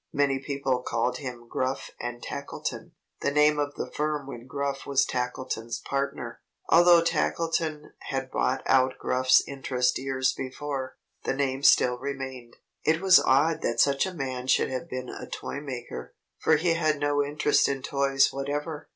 Many people called him Gruff and Tackleton, the name of the firm when Gruff was Tackleton's partner. Although Tackleton had bought out Gruff's interest years before, the name still remained. It was odd that such a man should have been a toy maker, for he had no interest in toys whatever.